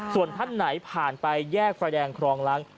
ส่วนท่านไหนผ่านไปแยกไฟแดงครองล้าง